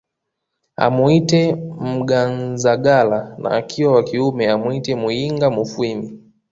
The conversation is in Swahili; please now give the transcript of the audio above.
Amuite Mnganzagala na akiwa wa kiume amwite Muyinga Mufwimi